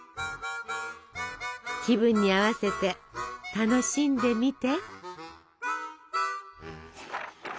気分に合わせて楽しんでみて。